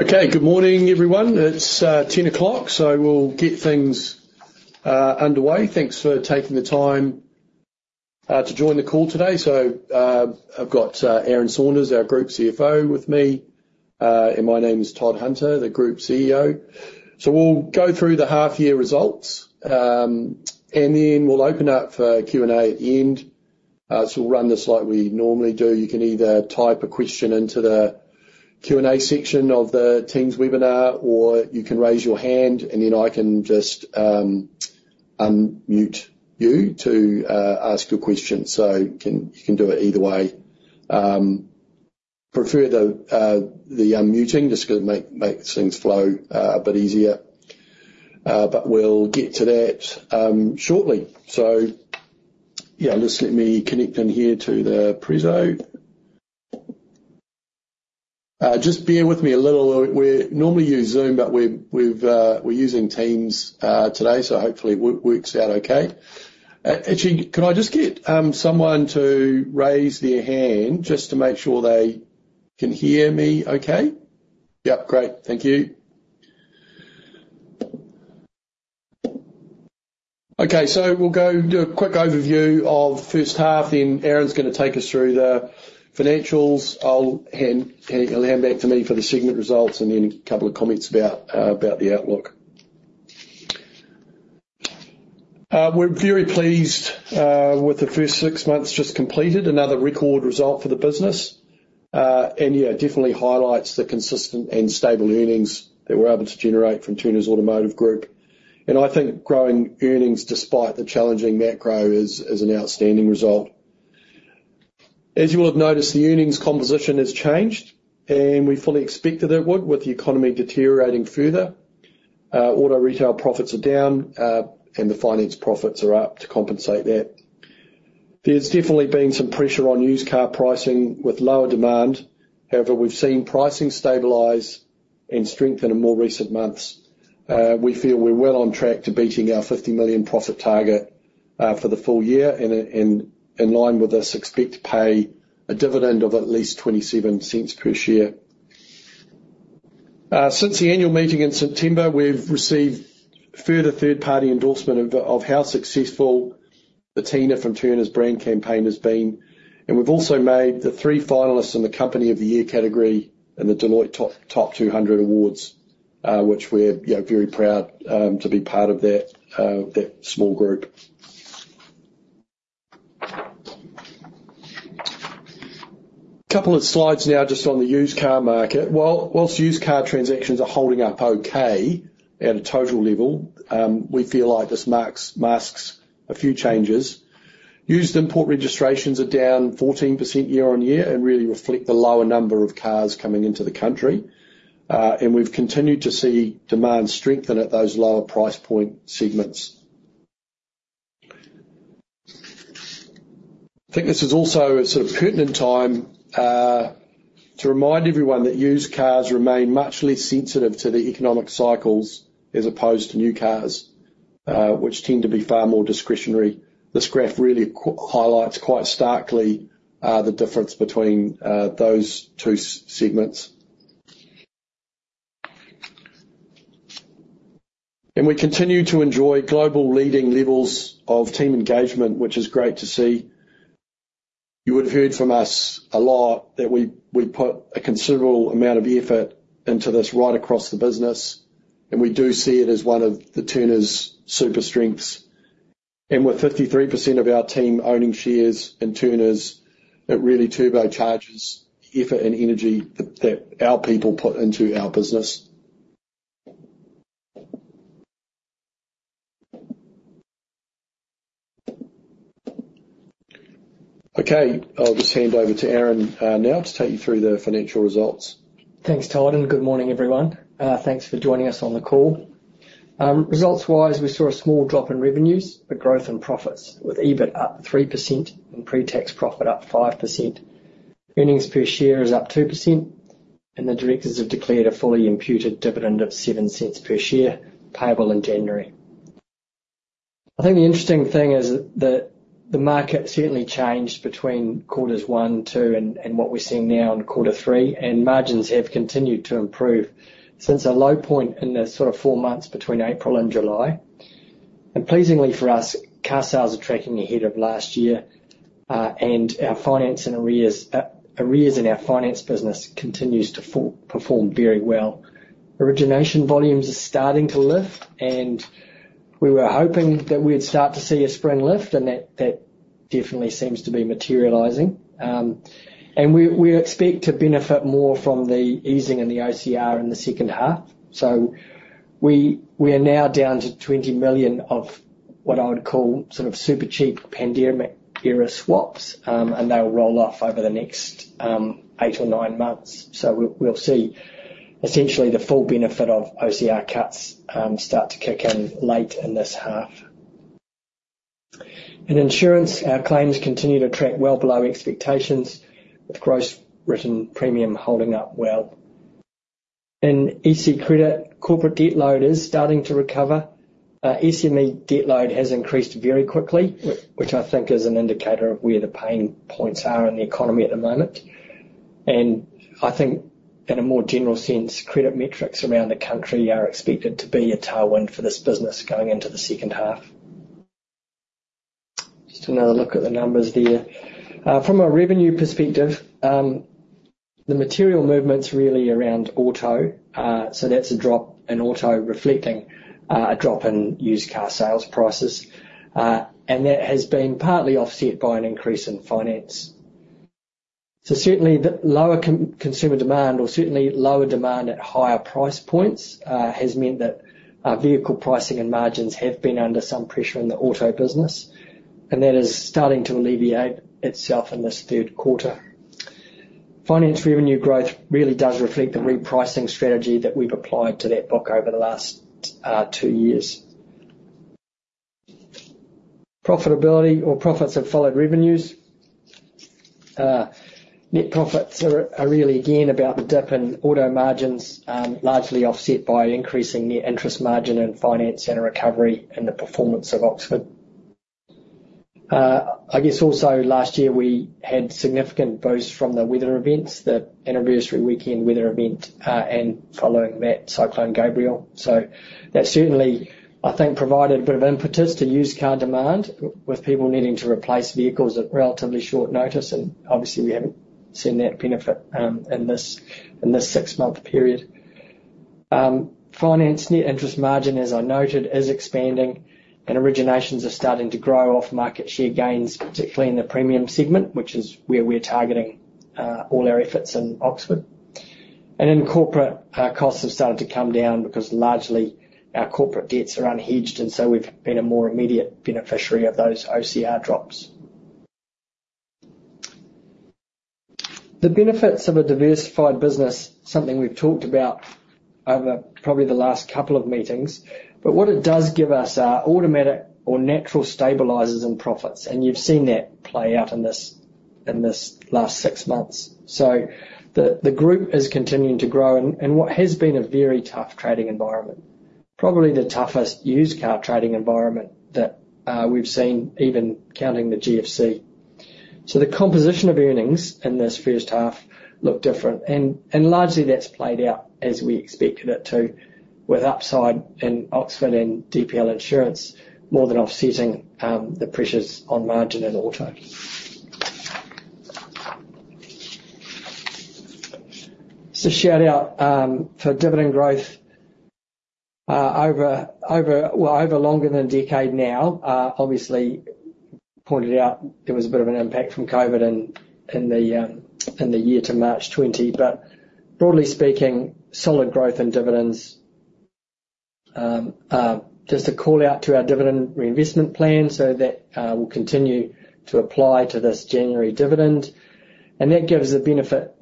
Okay, good morning, everyone. It's 10:00 A.M., so we'll get things underway. Thanks for taking the time to join the call today. So I've got Aaron Saunders, our Group CFO, with me, and my name is Todd Hunter, the Group CEO. So we'll go through the half-year results, and then we'll open up for Q&A at the end. So we'll run this like we normally do. You can either type a question into the Q&A section of the Teams webinar, or you can raise your hand, and then I can just unmute you to ask your question. So you can do it either way. Prefer the unmuting just because it makes things flow a bit easier. But we'll get to that shortly. So yeah, just let me connect in here to the preso. Just bear with me a little. We normally use Zoom, but we're using Teams today, so hopefully it works out okay. Actually, can I just get someone to raise their hand just to make sure they can hear me okay? Yep, great. Thank you. Okay, so we'll go do a quick overview of the first half, then Aaron's going to take us through the financials. He'll hand back to me for the segment results and then a couple of comments about the outlook. We're very pleased with the first six months just completed, another record result for the business. And yeah, it definitely highlights the consistent and stable earnings that we're able to generate from Turners Automotive Group. And I think growing earnings despite the challenging macro is an outstanding result. As you will have noticed, the earnings composition has changed, and we fully expected it would with the economy deteriorating further. Auto retail profits are down, and the finance profits are up to compensate that. There's definitely been some pressure on used car pricing with lower demand. However, we've seen pricing stabilize and strengthen in more recent months. We feel we're well on track to beating our 50 million profit target for the full year and, in line with us, expect to pay a dividend of at least 0.27 per share. Since the annual meeting in September, we've received further third-party endorsement of how successful the Tina from Turners brand campaign has been, and we've also made the three finalists in the Company of the Year category in the Deloitte Top 200 Awards, which we're very proud to be part of that small group. A couple of slides now just on the used car market. While used car transactions are holding up okay at a total level, we feel like this masks a few changes. Used import registrations are down 14% year on year and really reflect the lower number of cars coming into the country, and we've continued to see demand strengthen at those lower price point segments. I think this is also a sort of pertinent time to remind everyone that used cars remain much less sensitive to the economic cycles as opposed to new cars, which tend to be far more discretionary. This graph really highlights quite starkly the difference between those two segments, and we continue to enjoy global leading levels of team engagement, which is great to see. You would have heard from us a lot that we put a considerable amount of effort into this right across the business, and we do see it as one of the Turners' super strengths, and with 53% of our team owning shares in Turners, it really turbocharges the effort and energy that our people put into our business. Okay, I'll just hand over to Aaron now to take you through the financial results. Thanks, Todd. And good morning, everyone. Thanks for joining us on the call. Results-wise, we saw a small drop in revenues, but growth in profits with EBIT up 3% and pre-tax profit up 5%. Earnings per share is up 2%, and the directors have declared a fully imputed dividend of 0.07 per share payable in January. I think the interesting thing is that the market certainly changed between quarters one, two, and what we're seeing now in quarter three, and margins have continued to improve since a low point in the sort of four months between April and July. And pleasingly for us, car sales are tracking ahead of last year, and our finance and arrears in our finance business continue to perform very well. Origination volumes are starting to lift, and we were hoping that we'd start to see a spring lift, and that definitely seems to be materializing, and we expect to benefit more from the easing in the OCR in the second half. We are now down to 20 million of what I would call sort of super cheap pandemic-era swaps, and they'll roll off over the next eight or nine months. We'll see essentially the full benefit of OCR cuts start to kick in late in this half. In insurance, our claims continue to track well below expectations, with gross written premium holding up well. In EC Credit, corporate debt load is starting to recover. SME debt load has increased very quickly, which I think is an indicator of where the pain points are in the economy at the moment. I think, in a more general sense, credit metrics around the country are expected to be a tailwind for this business going into the second half. Just another look at the numbers there. From a revenue perspective, the material movement's really around auto. That's a drop in auto reflecting a drop in used car sales prices, and that has been partly offset by an increase in finance. Certainly, lower consumer demand, or certainly lower demand at higher price points, has meant that vehicle pricing and margins have been under some pressure in the auto business, and that is starting to alleviate itself in this third quarter. Finance revenue growth really does reflect the repricing strategy that we've applied to that book over the last two years. Profitability or profits have followed revenues. Net profits are really, again, about the dip in auto margins, largely offset by increasing net interest margin and finance and recovery in the performance of Oxford. I guess also last year we had significant boosts from the weather events, the Anniversary Weekend weather event, and following that, Cyclone Gabrielle. So that certainly, I think, provided a bit of impetus to used car demand with people needing to replace vehicles at relatively short notice. And obviously, we haven't seen that benefit in this six-month period. Finance net interest margin, as I noted, is expanding, and originations are starting to grow off market share gains, particularly in the premium segment, which is where we're targeting all our efforts in Oxford. And then corporate costs have started to come down because largely our corporate debts are unhedged, and so we've been a more immediate beneficiary of those OCR drops. The benefits of a diversified business, something we've talked about over probably the last couple of meetings, but what it does give us are automatic or natural stabilizers in profits, and you've seen that play out in this last six months. So the group is continuing to grow in what has been a very tough trading environment, probably the toughest used car trading environment that we've seen, even counting the GFC. So the composition of earnings in this first half looked different, and largely that's played out as we expected it to, with upside in Oxford and DPL Insurance more than offsetting the pressures on margin and auto. It's a shout-out for dividend growth over longer than a decade now. Obviously, pointed out there was a bit of an impact from COVID in the year to March 2020, but broadly speaking, solid growth in dividends. Just a call-out to our dividend reinvestment plan, so that will continue to apply to this January dividend. And that gives a benefit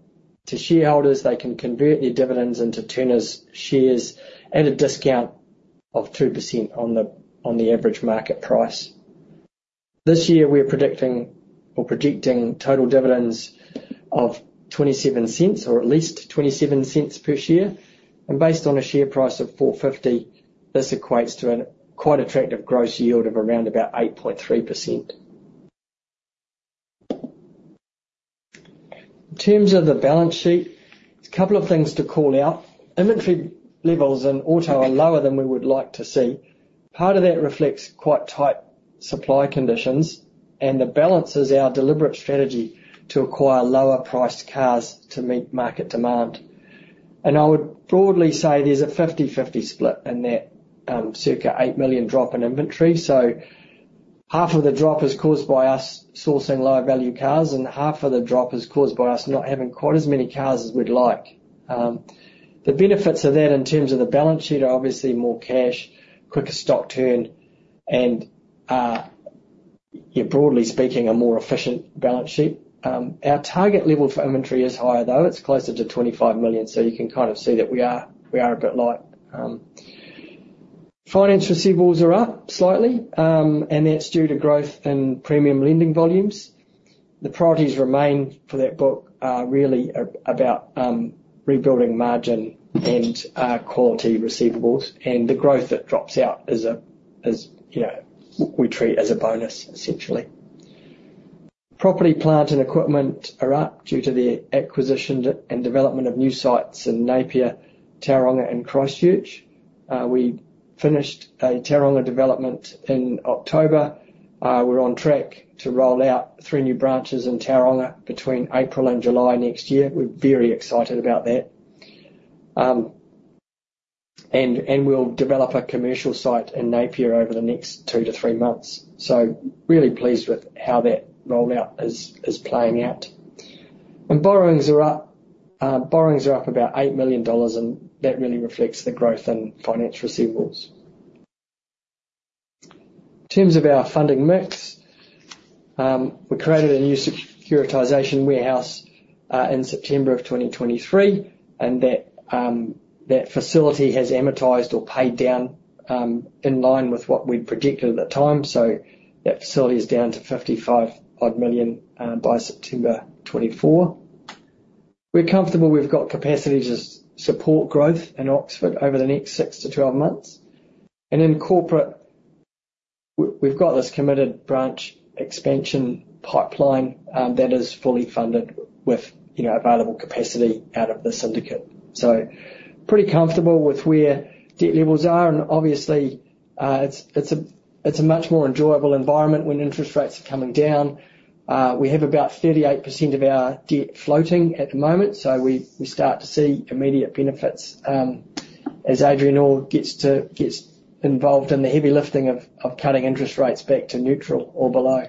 to shareholders. They can convert their dividends into Turners shares at a discount of 2% on the average market price. This year, we're predicting or projecting total dividends of 0.27 or at least 0.27 per share. And based on a share price of 4.50, this equates to a quite attractive gross yield of around about 8.3%. In terms of the balance sheet, there's a couple of things to call out. Inventory levels in auto are lower than we would like to see. Part of that reflects quite tight supply conditions, and the balance is our deliberate strategy to acquire lower-priced cars to meet market demand. And I would broadly say there's a 50/50 split in that circa eight million drop in inventory. So half of the drop is caused by us sourcing low-value cars, and half of the drop is caused by us not having quite as many cars as we'd like. The benefits of that in terms of the balance sheet are obviously more cash, quicker stock turn, and broadly speaking, a more efficient balance sheet. Our target level for inventory is higher, though. It's closer to 25 million, so you can kind of see that we are a bit light. Finance receivables are up slightly, and that's due to growth in premium lending volumes. The priorities remain for that book are really about rebuilding margin and quality receivables, and the growth that drops out is what we treat as a bonus, essentially. Property, plant, and equipment are up due to the acquisition and development of new sites in Napier, Tauranga, and Christchurch. We finished a Tauranga development in October. We're on track to roll out three new branches in Tauranga between April and July next year. We're very excited about that. And we'll develop a commercial site in Napier over the next two-to-three months. So really pleased with how that rollout is playing out. And borrowings are up about 8 million dollars, and that really reflects the growth in finance receivables. In terms of our funding mix, we created a new securitization warehouse in September of 2023, and that facility has amortized or paid down in line with what we'd projected at the time. So that facility is down to 55-odd million by September 2024. We're comfortable we've got capacity to support growth in Oxford over the next six months to 12 months. And in corporate, we've got this committed branch expansion pipeline that is fully funded with available capacity out of the syndicate. So pretty comfortable with where debt levels are, and obviously, it's a much more enjoyable environment when interest rates are coming down. We have about 38% of our debt floating at the moment, so we start to see immediate benefits as Adrian Orr gets involved in the heavy lifting of cutting interest rates back to neutral or below.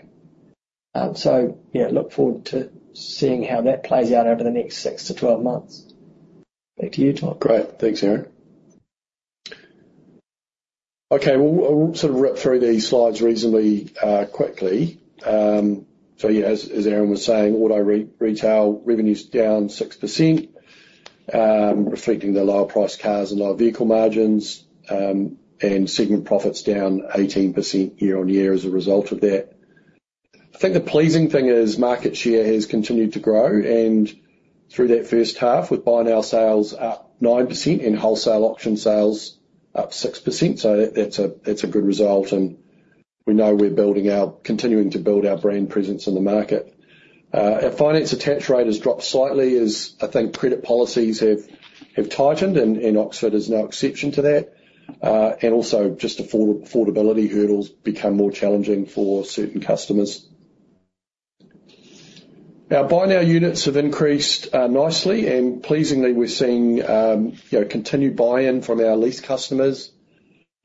So yeah, look forward to seeing how that plays out over the next six to 12 months. Back to you, Todd. Great. Thanks, Aaron. Okay, we'll sort of rip through these slides reasonably quickly. So yeah, as Aaron was saying, auto retail revenues down 6%, reflecting the lower-priced cars and lower vehicle margins, and segment profits down 18% year on year as a result of that. I think the pleasing thing is market share has continued to grow, and through that first half, with Buy Now sales up 9% and wholesale auction sales up 6%. So that's a good result, and we know we're continuing to build our brand presence in the market. Our finance attach rate has dropped slightly as I think credit policies have tightened, and Oxford is no exception to that. And also, just affordability hurdles become more challenging for certain customers. Our Buy Now units have increased nicely, and pleasingly, we're seeing continued buy-in from our lease customers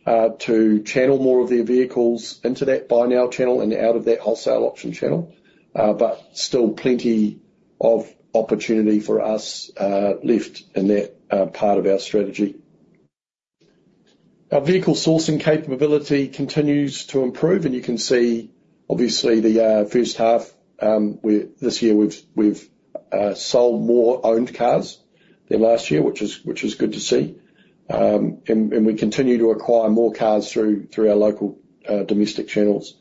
to channel more of their vehicles into that Buy Now channel and out of that wholesale auction channel, but still plenty of opportunity for us left in that part of our strategy. Our vehicle sourcing capability continues to improve, and you can see, obviously, the first half this year, we've sold more owned cars than last year, which is good to see. And we continue to acquire more cars through our local domestic channels.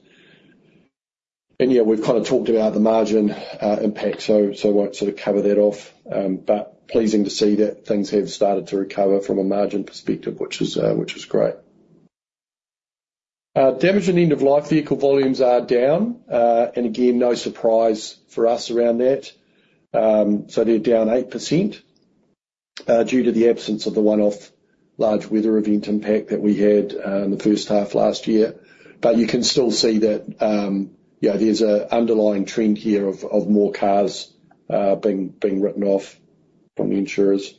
And yeah, we've kind of talked about the margin impact, so I won't sort of cover that off, but pleasing to see that things have started to recover from a margin perspective, which is great. Damage and end-of-life vehicle volumes are down, and again, no surprise for us around that. They're down 8% due to the absence of the one-off large weather event impact that we had in the first half last year. But you can still see that there's an underlying trend here of more cars being written off from the insurers.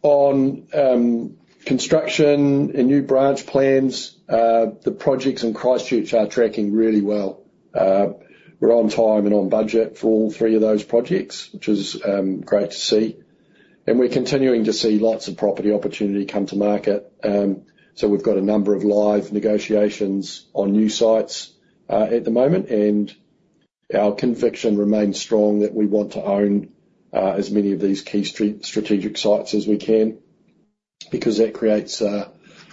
On construction and new branch plans, the projects in Christchurch are tracking really well. We're on time and on budget for all three of those projects, which is great to see. We're continuing to see lots of property opportunity come to market. We've got a number of live negotiations on new sites at the moment, and our conviction remains strong that we want to own as many of these key strategic sites as we can because that creates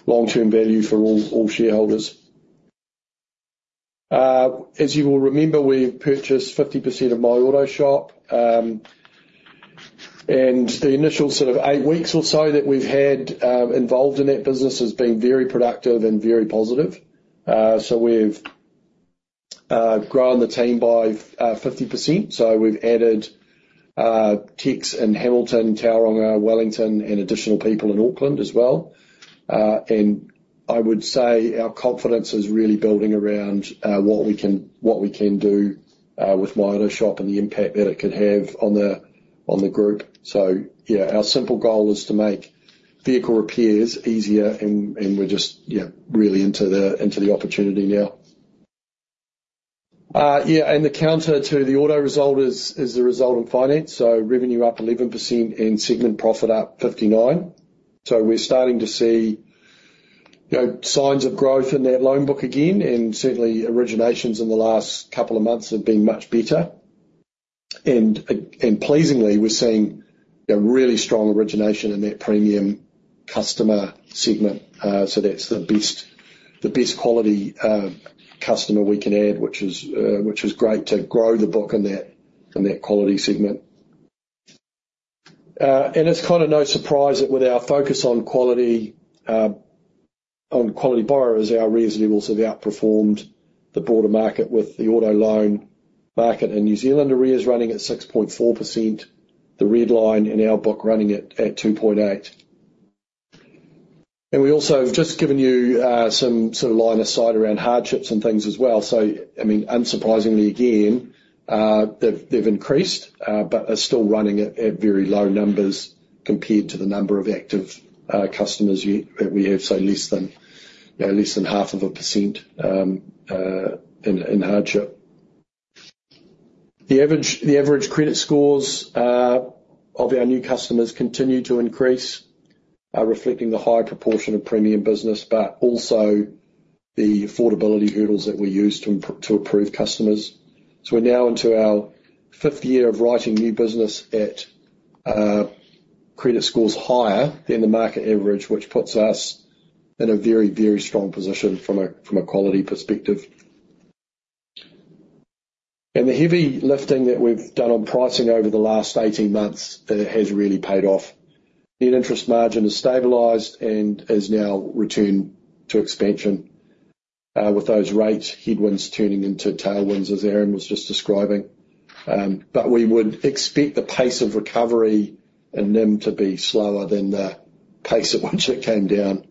long-term value for all shareholders. As you will remember, we've purchased 50% of My Auto Shop, and the initial sort of eight weeks or so that we've had involved in that business has been very productive and very positive. So we've grown the team by 50%. So we've added techs in Hamilton, Tauranga, Wellington, and additional people in Auckland as well. And I would say our confidence is really building around what we can do with My Auto Shop and the impact that it could have on the group. So yeah, our simple goal is to make vehicle repairs easier, and we're just really into the opportunity now. Yeah, and the counter to the auto result is the result in finance. So revenue up 11% and segment profit up 59%. So we're starting to see signs of growth in that loan book again, and certainly, originations in the last couple of months have been much better. And pleasingly, we're seeing a really strong origination in that premium customer segment. So that's the best quality customer we can add, which is great to grow the book in that quality segment. And it's kind of no surprise that with our focus on quality buyers, our arrears levels have outperformed the broader market with the auto loan market in New Zealand. Arrears is running at 6.4%, the arrears in our book running at 2.8%. And we also have just given you some sort of line of sight around hardships and things as well. I mean, unsurprisingly again, they've increased, but they're still running at very low numbers compared to the number of active customers that we have, so less than 0.5% in hardship. The average credit scores of our new customers continue to increase, reflecting the high proportion of premium business, but also the affordability hurdles that we use to approve customers. We're now into our fifth year of writing new business at credit scores higher than the market average, which puts us in a very, very strong position from a quality perspective. The heavy lifting that we've done on pricing over the last 18 months has really paid off. The interest margin has stabilized and is now returned to expansion with those rate headwinds turning into tailwinds, as Aaron was just describing. But we would expect the pace of recovery in them to be slower than the pace at which it came down.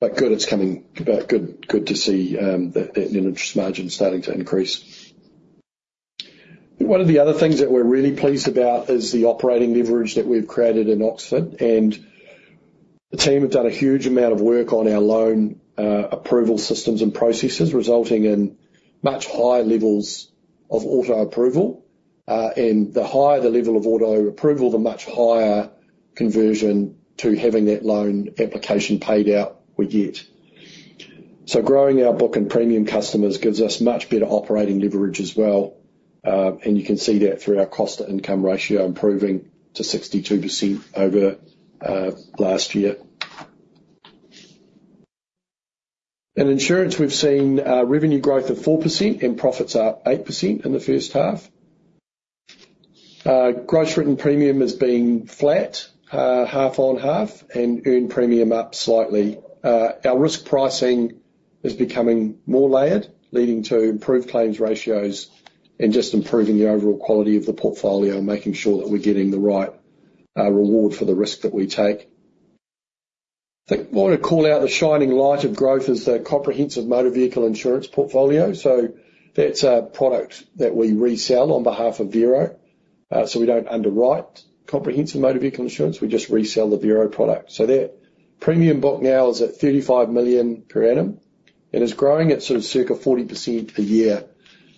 But good to see that interest margin starting to increase. One of the other things that we're really pleased about is the operating leverage that we've created in Oxford, and the team have done a huge amount of work on our loan approval systems and processes, resulting in much higher levels of auto approval. And the higher the level of auto approval, the much higher conversion to having that loan application paid out we get. So growing our book and premium customers gives us much better operating leverage as well. And you can see that through our cost-to-income ratio improving to 62% over last year. In insurance, we've seen revenue growth of 4% and profits up 8% in the first half. Gross written premium has been flat, half on half, and earned premium up slightly. Our risk pricing is becoming more layered, leading to improved claims ratios and just improving the overall quality of the portfolio and making sure that we're getting the right reward for the risk that we take. I think I want to call out the shining light of growth is the comprehensive motor vehicle insurance portfolio. That's a product that we resell on behalf of Vero. We don't underwrite comprehensive motor vehicle insurance. We just resell the Vero product. That premium book now is at 35 million per annum, and it's growing at sort of circa 40% a year,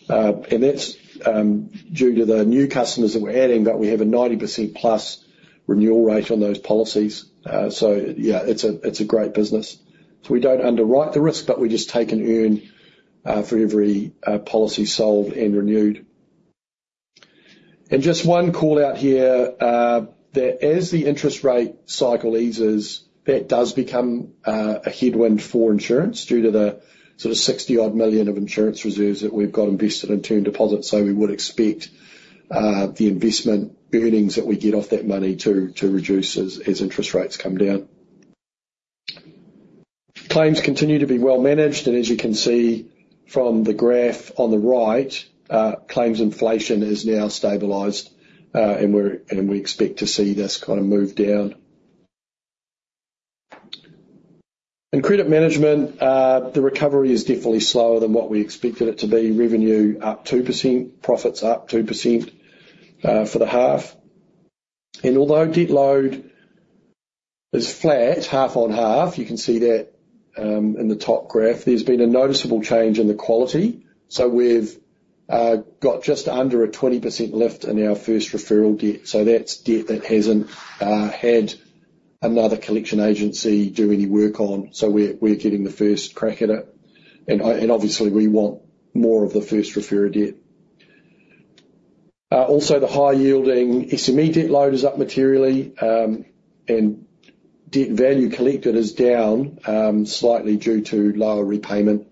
and that's due to the new customers that we're adding, but we have a 90% plus renewal rate on those policies, yeah, it's a great business. We don't underwrite the risk, but we just take an earn for every policy sold and renewed. Just one call out here, that as the interest rate cycle eases, that does become a headwind for insurance due to the sort of 60-odd million of insurance reserves that we've got invested in term deposit. We would expect the investment earnings that we get off that money to reduce as interest rates come down. Claims continue to be well managed, and as you can see from the graph on the right, claims inflation is now stabilized, and we expect to see this kind of move down. In credit management, the recovery is definitely slower than what we expected it to be. Revenue up 2%, profits up 2% for the half. Although debt load is flat, half-on-half, you can see that in the top graph, there's been a noticeable change in the quality. We've got just under a 20% lift in our first referral debt. That's debt that hasn't had another collection agency do any work on. We're getting the first crack at it. Obviously, we want more of the first referral debt. Also, the high-yielding SME debt load is up materially, and debt value collected is down slightly due to lower repayment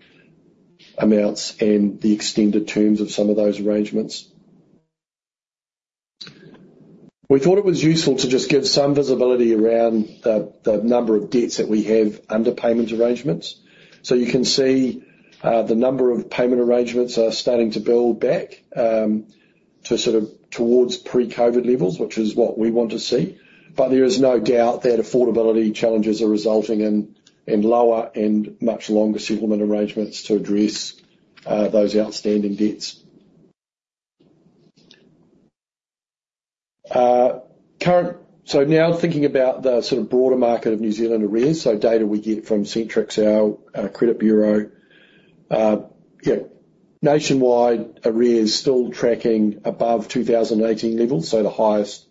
amounts and the extended terms of some of those arrangements. We thought it was useful to just give some visibility around the number of debts that we have under payment arrangements. You can see the number of payment arrangements are starting to build back to sort of towards pre-COVID levels, which is what we want to see. But there is no doubt that affordability challenges are resulting in lower and much longer settlement arrangements to address those outstanding debts. So now thinking about the sort of broader market of New Zealand arrears, so data we get from Centrix, our credit bureau. Yeah, nationwide, arrears still tracking above 2018 levels, so the highest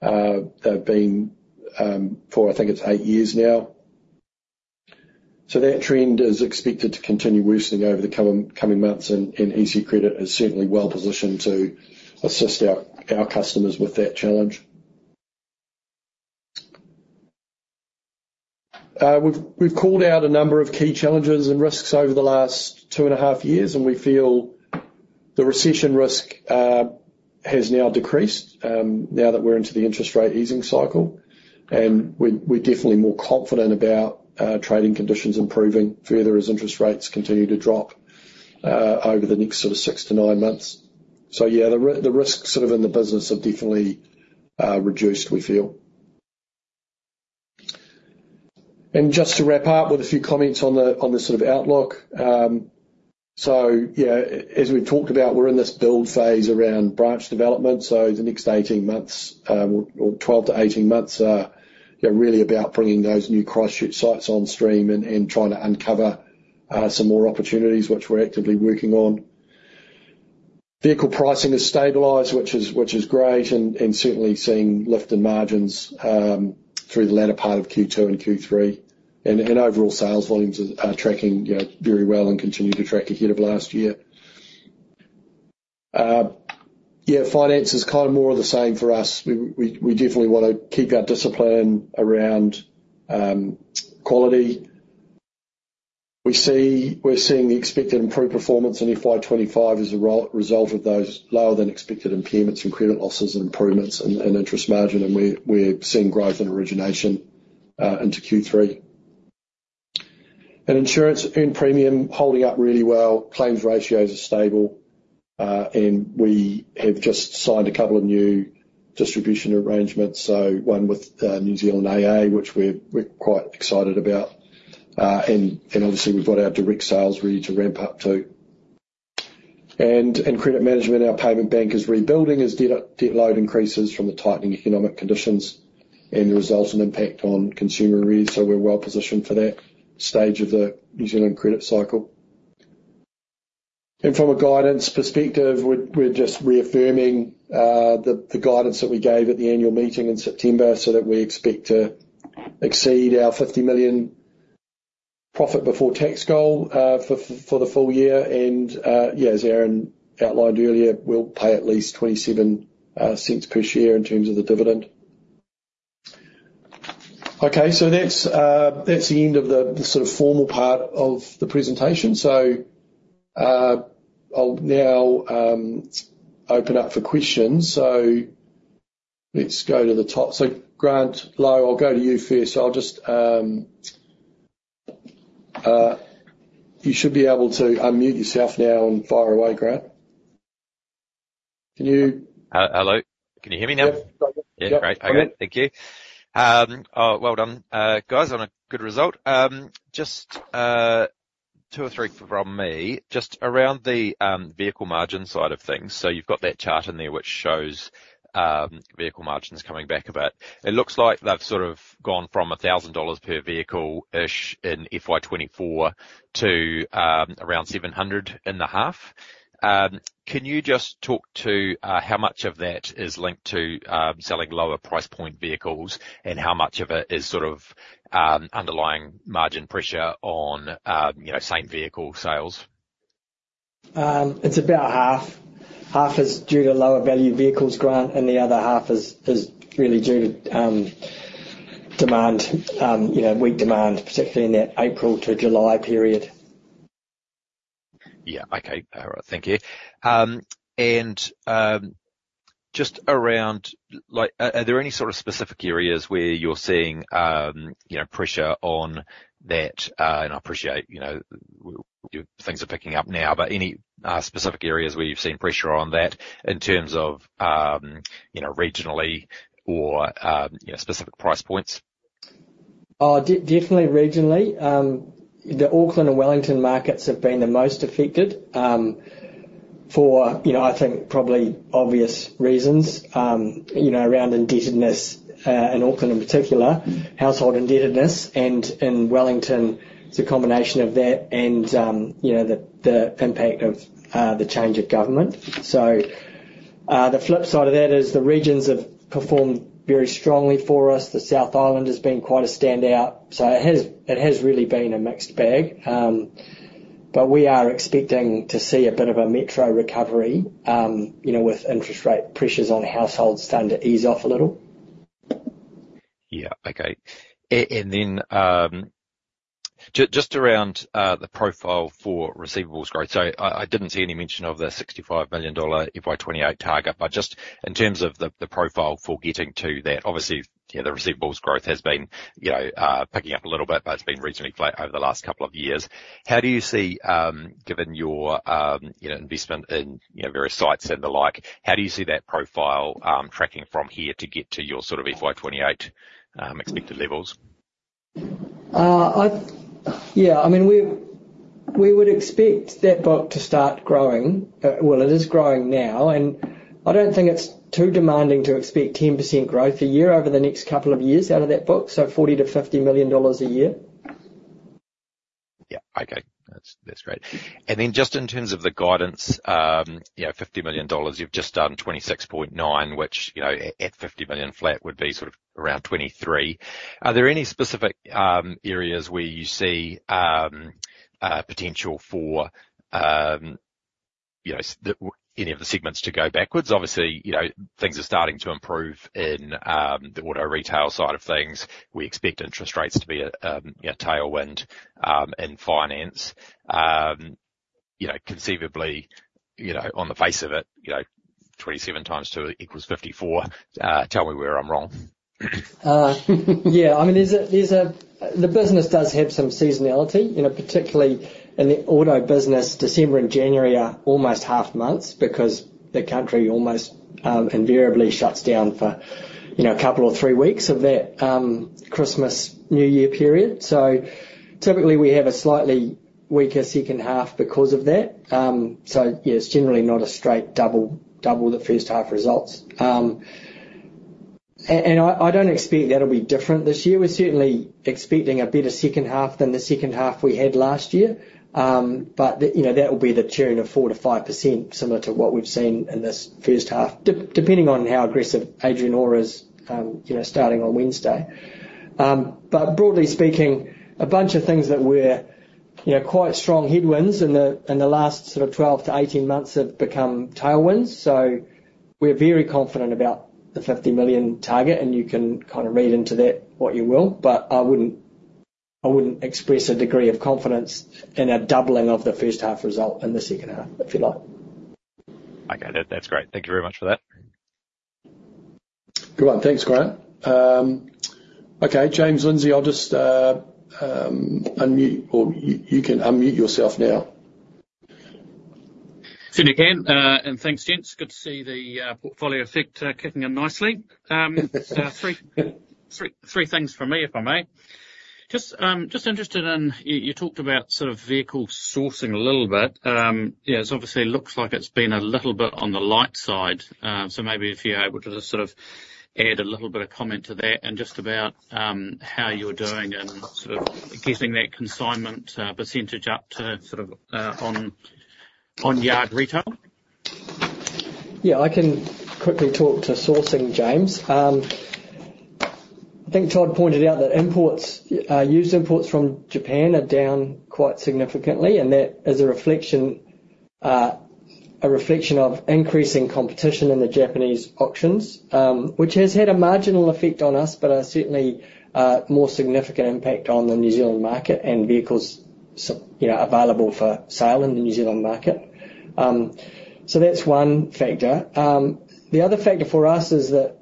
they've been for, I think it's eight years now. So that trend is expected to continue worsening over the coming months, and EC Credit is certainly well positioned to assist our customers with that challenge. We've called out a number of key challenges and risks over the last two and a half years, and we feel the recession risk has now decreased now that we're into the interest rate easing cycle. We're definitely more confident about trading conditions improving further as interest rates continue to drop over the next sort of six to nine months. Yeah, the risks sort of in the business have definitely reduced, we feel. Just to wrap up with a few comments on the sort of outlook. Yeah, as we've talked about, we're in this build phase around branch development. The next 18 months or 12 months-18 months are really about bringing those new Christchurch sites on stream and trying to uncover some more opportunities, which we're actively working on. Vehicle pricing has stabilized, which is great, and certainly seeing lift in margins through the latter part of Q2 and Q3. Overall sales volumes are tracking very well and continue to track ahead of last year. Yeah, finance is kind of more of the same for us. We definitely want to keep our discipline around quality. We're seeing the expected improved performance in FY 2025 as a result of those lower-than-expected impairments and credit losses and improvements in interest margin, and we're seeing growth in origination into Q3, and insurance and premiums holding up really well. Claims ratios are stable, and we have just signed a couple of new distribution arrangements, so one with New Zealand AA, which we're quite excited about, and obviously, we've got our direct sales ready to ramp up too, and in credit management, our payment book is rebuilding as debt load increases from the tightening economic conditions and the resultant impact on consumer arrears, and we're well positioned for that stage of the New Zealand credit cycle. From a guidance perspective, we're just reaffirming the guidance that we gave at the annual meeting in September so that we expect to exceed our 50 million profit before tax goal for the full year. Yeah, as Aaron outlined earlier, we'll pay at least 0.27 cents per share in terms of the dividend. Okay, that's the end of the sort of formal part of the presentation. I'll now open up for questions. Let's go to the top. Grant Lowe, I'll go to you first. You should be able to unmute yourself now and fire away, Grant. Can you? Hello? Can you hear me now? Yeah, great. Okay, thank you. Well done, guys, on a good result. Just two or three from me. Just around the vehicle margin side of things. You've got that chart in there which shows vehicle margins coming back a bit. It looks like they've sort of gone from 1,000 dollars per vehicle-ish in FY 2024 to around 750. Can you just talk to how much of that is linked to selling lower price point vehicles and how much of it is sort of underlying margin pressure on same vehicle sales? It's about half. Half is due to lower value vehicles, Grant, and the other half is really due to demand, weak demand, particularly in that April to July period. Yeah, okay. All right, thank you. And just around, are there any sort of specific areas where you're seeing pressure on that? And I appreciate things are picking up now, but any specific areas where you've seen pressure on that in terms of regionally or specific price points? Definitely regionally. The Auckland and Wellington markets have been the most affected for, I think, probably obvious reasons around indebtedness in Auckland in particular, household indebtedness. And in Wellington, it's a combination of that and the impact of the change of government. So the flip side of that is the regions have performed very strongly for us. The South Island has been quite a standout. So it has really been a mixed bag. But we are expecting to see a bit of a metro recovery with interest rate pressures on households starting to ease off a little. Yeah, okay. And then just around the profile for receivables growth. I didn't see any mention of the 65 million dollar FY 2028 target, but just in terms of the profile for getting to that, obviously, the receivables growth has been picking up a little bit, but it's been reasonably flat over the last couple of years. How do you see, given your investment in various sites and the like, how do you see that profile tracking from here to get to your sort of FY 2028 expected levels? Yeah, I mean, we would expect that book to start growing. Well, it is growing now, and I don't think it's too demanding to expect 10% growth a year over the next couple of years out of that book, so 40 million-50 million dollars a year. Yeah, okay. That's great. And then just in terms of the guidance, 50 million dollars, you've just done 26.9, which at 50 million flat would be sort of around 23. Are there any specific areas where you see potential for any of the segments to go backwards? Obviously, things are starting to improve in the auto retail side of things. We expect interest rates to be a tailwind in finance. Conceivably, on the face of it, 27 times two equals 54. Tell me where I'm wrong. Yeah, I mean, the business does have some seasonality, particularly in the auto business. December and January are almost half months because the country almost invariably shuts down for a couple or three weeks of that Christmas New Year period. So typically, we have a slightly weaker second half because of that. So yeah, it's generally not a straight double that first half results. And I don't expect that'll be different this year. We're certainly expecting a better second half than the second half we had last year. But that will be the churn of 4%-5%, similar to what we've seen in this first half, depending on how aggressive Adrian Orr is starting on Wednesday. But broadly speaking, a bunch of things that were quite strong headwinds in the last sort of 12 months-18 months have become tailwinds. So we're very confident about the 50 million target, and you can kind of read into that what you will. But I wouldn't express a degree of confidence in a doubling of the first half result in the second half, if you like. Okay, that's great. Thank you very much for that. Good one. Thanks, Grant. Okay, James Lindsay, I'll just unmute or you can unmute yourself now. Gidday Todd, and thanks, Gents. Good to see the portfolio effect kicking in nicely. So three things from me, if I may. Just interested in you talked about sort of vehicle sourcing a little bit. Yeah, it obviously looks like it's been a little bit on the light side. So maybe if you're able to just sort of add a little bit of comment to that and just about how you're doing in sort of getting that consignment percentage up to sort of on yard retail. Yeah, I can quickly talk to sourcing, James. I think Todd pointed out that used imports from Japan are down quite significantly, and that is a reflection of increasing competition in the Japanese auctions, which has had a marginal effect on us, but certainly a more significant impact on the New Zealand market and vehicles available for sale in the New Zealand market. So that's one factor. The other factor for us is that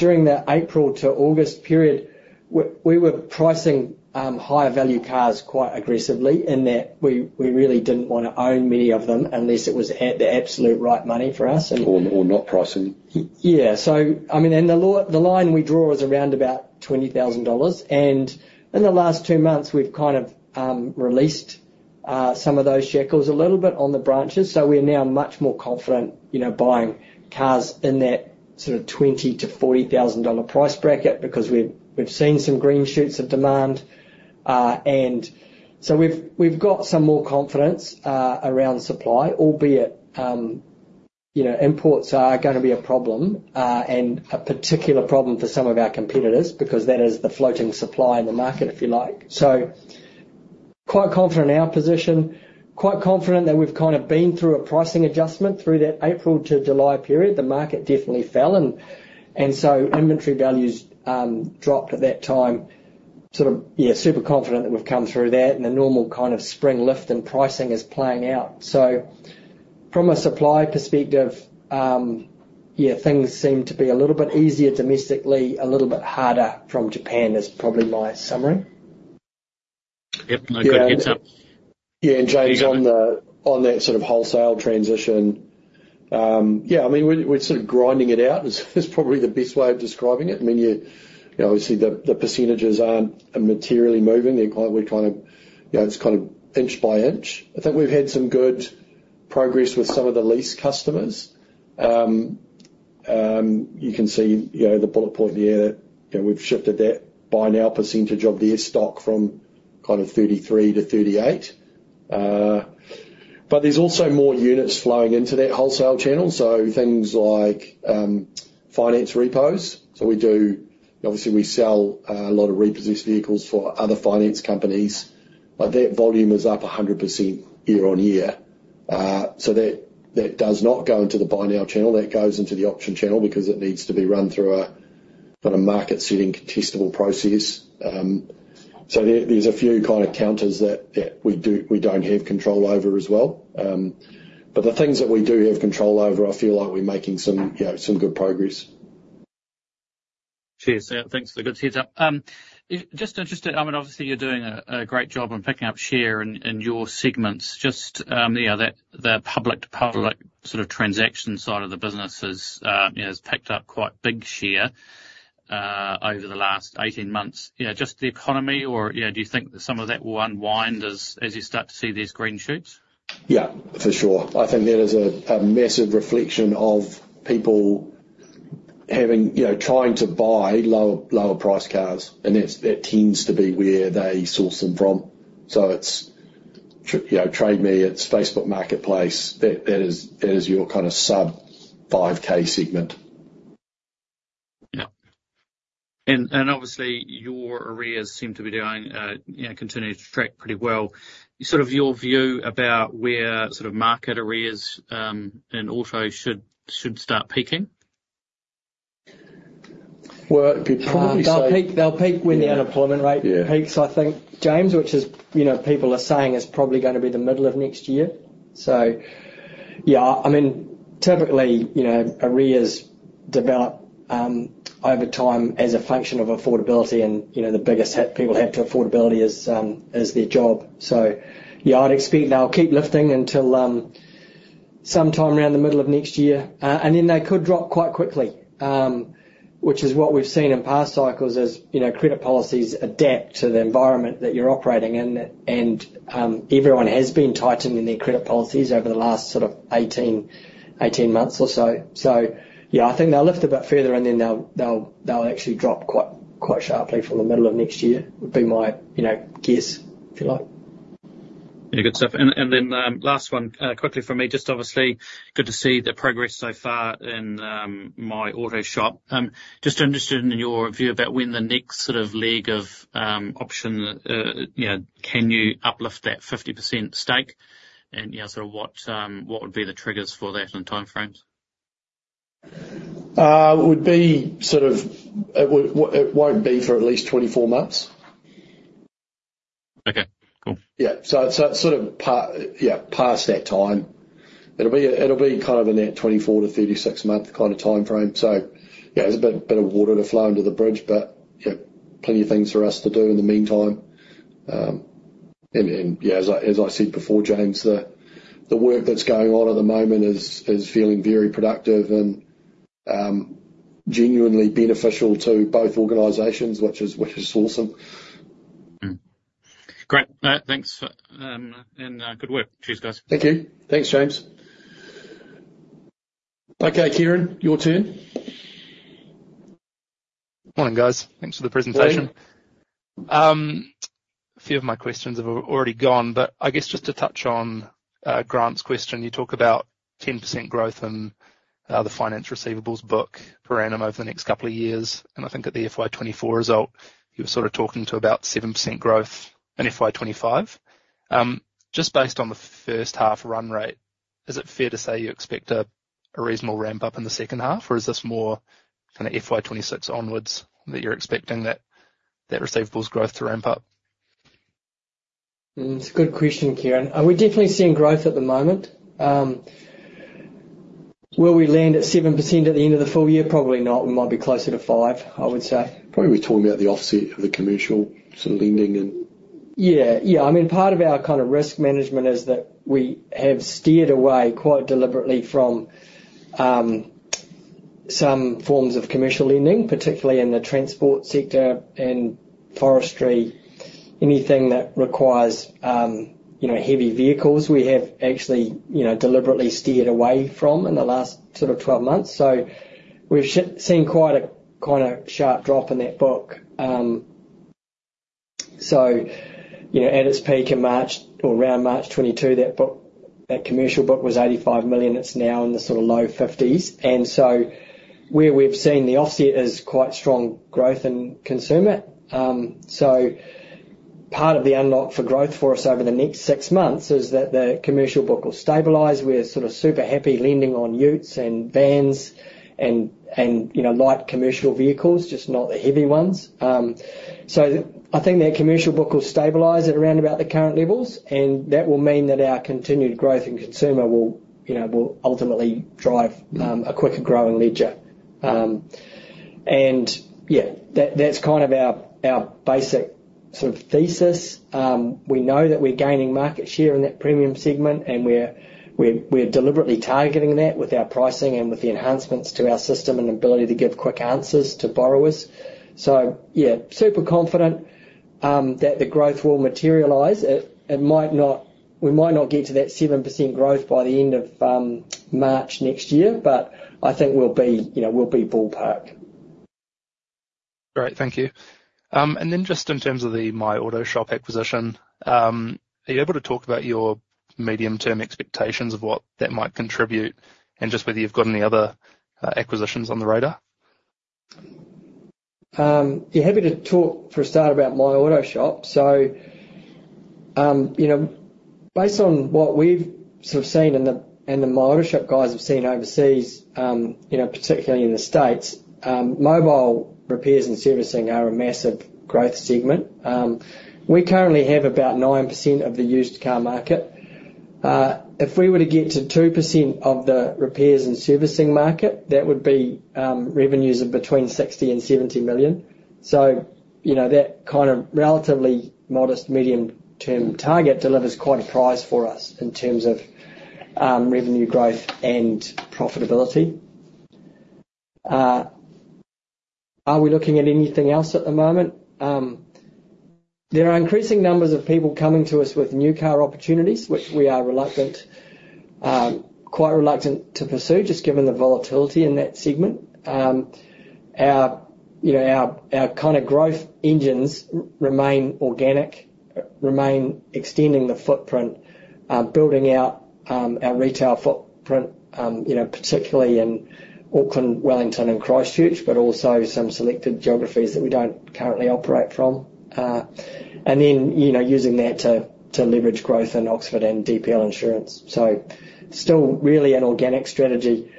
during the April to August period, we were pricing higher value cars quite aggressively in that we really didn't want to own many of them unless it was the absolute right money for us. Or not pricing. Yeah. So I mean, and the line we draw is around about 20,000 dollars. And in the last two months, we've kind of released some of those shackles a little bit on the branches. So we're now much more confident buying cars in that sort of 20,000-40,000 dollar price bracket because we've seen some green shoots of demand. And so we've got some more confidence around supply, albeit imports are going to be a problem and a particular problem for some of our competitors because that is the floating supply in the market, if you like. So, quite confident in our position, quite confident that we've kind of been through a pricing adjustment through that April to July period. The market definitely fell, and so inventory values dropped at that time. Sort of, yeah, super confident that we've come through that and the normal kind of spring lift in pricing is playing out. So from a supply perspective, yeah, things seem to be a little bit easier domestically, a little bit harder from Japan is probably my summary. Yep, no good hits up. Yeah, and James on that sort of wholesale transition. Yeah, I mean, we're sort of grinding it out is probably the best way of describing it. I mean, obviously, the percentages aren't materially moving. We're kind of, it's kind of inch by inch. I think we've had some good progress with some of the lease customers. You can see the bullet point there that we've shifted that Buy Now percentage of their stock from kind of 33%-38%. But there's also more units flowing into that wholesale channel. So things like finance repos. So obviously, we sell a lot of repossessed vehicles for other finance companies. That volume is up 100% year-on-year. So that does not go into the Buy Now channel. That goes into the auction channel because it needs to be run through a kind of market-setting contestable process. So there's a few kind of counters that we don't have control over as well. But the things that we do have control over, I feel like we're making some good progress. Cheers. Thanks for the good setup. Just interested, I mean, obviously, you're doing a great job on picking up share in your segments. Just the public-to-public sort of transaction side of the business has picked up quite big share over the last 18 months. Yeah, just the economy or do you think some of that will unwind as you start to see these green shoots? Yeah, for sure. I think there is a massive reflection of people trying to buy lower-priced cars, and that tends to be where they source them from. So Trade Me, it's Facebook Marketplace. That is your kind of sub-5K segment. Yeah. And obviously, your arrears seem to be continuing to track pretty well. Sort of your view about where sort of market arrears and auto should start peaking? They'll peak when the unemployment rate peaks, I think, James, which people are saying is probably going to be the middle of next year. Yeah, I mean, typically, arrears develop over time as a function of affordability, and the biggest hit people have to affordability is their job. Yeah, I'd expect they'll keep lifting until sometime around the middle of next year. Then they could drop quite quickly, which is what we've seen in past cycles as credit policies adapt to the environment that you're operating in. Everyone has been tightening their credit policies over the last sort of 18 months or so. Yeah, I think they'll lift a bit further, and then they'll actually drop quite sharply from the middle of next year would be my guess, if you like. Yeah, good stuff. Then last one quickly for me. Just obviously good to see the progress so far in My Auto Shop. Just interested in your view about when the next sort of leg of option can you uplift that 50% stake? And sort of what would be the triggers for that and timeframes? It would be sort of it won't be for at least 24 months. Okay, cool. Yeah. So sort of past that time, it'll be kind of in that 24 month-36 month kind of timeframe. So yeah, there's a bit of water to flow under the bridge, but plenty of things for us to do in the meantime. And yeah, as I said before, James, the work that's going on at the moment is feeling very productive and genuinely beneficial to both organizations, which is awesome. Great. Thanks. And good work. Cheers, guys. Thank you. Thanks, James. Okay, Kieran, your turn. Morning, guys. Thanks for the presentation. A few of my questions have already gone, but I guess just to touch on Grant's question, you talk about 10% growth in the finance receivables book per annum over the next couple of years. And I think at the FY 2024 result, you were sort of talking to about 7% growth in FY 2025. Just based on the first half run rate, is it fair to say you expect a reasonable ramp-up in the second half, or is this more kind of FY 2026 onwards that you're expecting that receivables growth to ramp up? It's a good question, Kieran. We're definitely seeing growth at the moment. Will we land at 7% at the end of the full year? Probably not. We might be closer to 5%, I would say. Probably we're talking about the offset of the commercial sort of lending and. Yeah. Yeah. I mean, part of our kind of risk management is that we have steered away quite deliberately from some forms of commercial lending, particularly in the transport sector and forestry, anything that requires heavy vehicles. We have actually deliberately steered away from in the last sort of 12 months. So we've seen quite a kind of sharp drop in that book. So at its peak in March or around March 2022, that commercial book was 85 million. It's now in the sort of low 50s. And so where we've seen the offset is quite strong growth in consumer. So part of the unlock for growth for us over the next six months is that the commercial book will stabilize. We're sort of super happy lending on utes and vans and light commercial vehicles, just not the heavy ones. I think that commercial book will stabilize at around about the current levels, and that will mean that our continued growth in consumer will ultimately drive a quicker growing ledger. Yeah, that's kind of our basic sort of thesis. We know that we're gaining market share in that premium segment, and we're deliberately targeting that with our pricing and with the enhancements to our system and ability to give quick answers to borrowers. Yeah, super confident that the growth will materialize. We might not get to that 7% growth by the end of March next year, but I think we'll be ballpark. Great. Thank you. And then just in terms of the My Auto Shop acquisition, are you able to talk about your medium-term expectations of what that might contribute and just whether you've got any other acquisitions on the radar? Yeah, happy to talk for a start about My Auto Shop. So based on what we've sort of seen and the My Auto Shop guys have seen overseas, particularly in the States, mobile repairs and servicing are a massive growth segment. We currently have about 9% of the used car market. If we were to get to 2% of the repairs and servicing market, that would be revenues of between 60 million and 70 million. So that kind of relatively modest medium-term target delivers quite a price for us in terms of revenue growth and profitability. Are we looking at anything else at the moment? There are increasing numbers of people coming to us with new car opportunities, which we are quite reluctant to pursue just given the volatility in that segment. Our kind of growth engines remain organic, remain extending the footprint, building out our retail footprint, particularly in Auckland, Wellington, and Christchurch, but also some selected geographies that we don't currently operate from. And then using that to leverage growth in Oxford and DPL Insurance. So still really an organic strategy.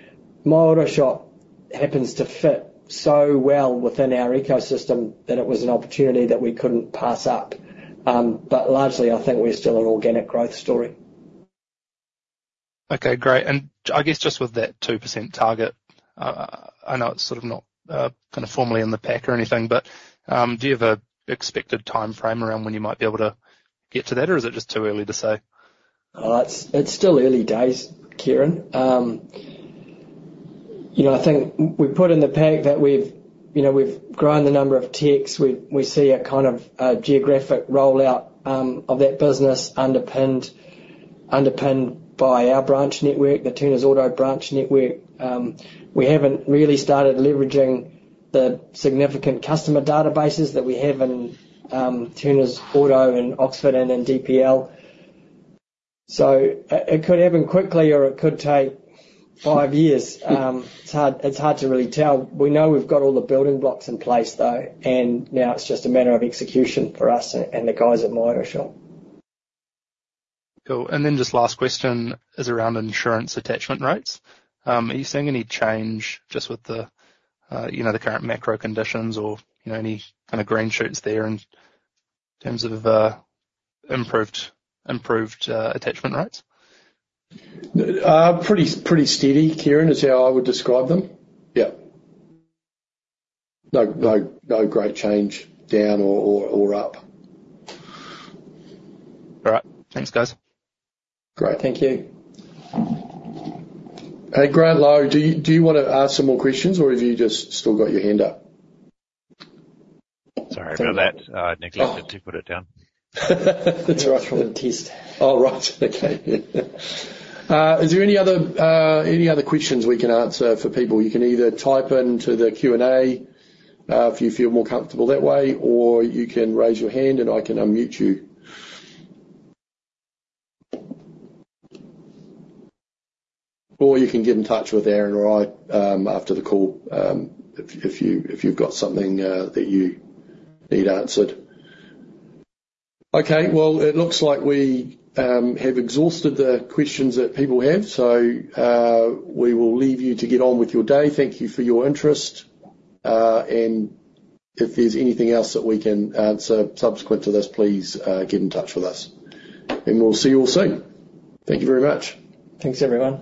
My Auto Shop happens to fit so well within our ecosystem that it was an opportunity that we couldn't pass up. But largely, I think we're still an organic growth story. Okay, great. And I guess just with that 2% target, I know it's sort of not kind of formally in the pack or anything, but do you have an expected timeframe around when you might be able to get to that, or is it just too early to say? It's still early days, Kieran. I think we put in the pack that we've grown the number of techs. We see a kind of geographic rollout of that business underpinned by our branch network, the Turners Auto branch network. We haven't really started leveraging the significant customer databases that we have in Turners Auto in Oxford and in DPL. So it could happen quickly, or it could take five years. It's hard to really tell. We know we've got all the building blocks in place, though, and now it's just a matter of execution for us and the guys at My Auto Shop. Cool. And then just last question is around insurance attachment rates. Are you seeing any change just with the current macro conditions or any kind of green shoots there in terms of improved attachment rates? Pretty steady, Kieran, is how I would describe them. Yeah. No great change down or up. All right. Thanks, guys. Great. Thank you. Hey, Grant Lowe, do you want to ask some more questions, or have you just still got your hand up? Sorry about that. Neglected to put it down. That's right from the test. Oh, right. Okay. Is there any other questions we can answer for people? You can either type into the Q&A if you feel more comfortable that way, or you can raise your hand, and I can unmute you. Or you can get in touch with Aaron or I after the call if you've got something that you need answered. Okay. Well, it looks like we have exhausted the questions that people have, so we will leave you to get on with your day. Thank you for your interest, and if there's anything else that we can answer subsequent to this, please get in touch with us, and we'll see you all soon. Thank you very much. Thanks, everyone.